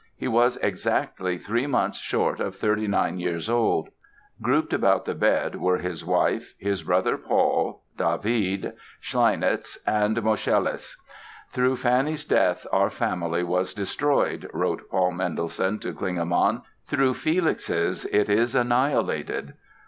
He was exactly three months short of 39 years old. Grouped about the bed were his wife, his brother Paul, David, Schleinitz and Moscheles. "Through Fanny's death our family was destroyed", wrote Paul Mendelssohn to Klingemann; "through Felix's, it is annihilated"!